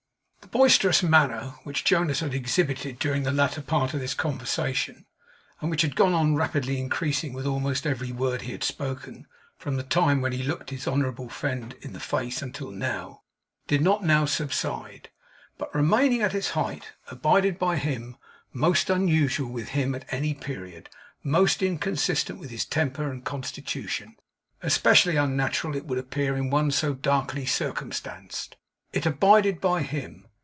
The boisterous manner which Jonas had exhibited during the latter part of this conversation, and which had gone on rapidly increasing with almost every word he had spoken, from the time when he looked his honourable friend in the face until now, did not now subside, but, remaining at its height, abided by him. Most unusual with him at any period; most inconsistent with his temper and constitution; especially unnatural it would appear in one so darkly circumstanced; it abided by him.